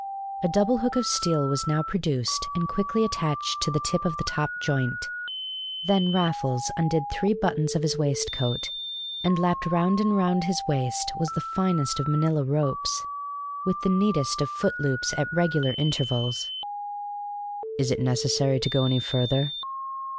A double hook of steel was now produced and quickly attached to the tip of the top joint; then Raffles undid three buttons of his waistcoat; and lapped round and round his waist was the finest of Manila ropes, with the neatest of foot loops at regular intervals. "Is it necessary to go any further?"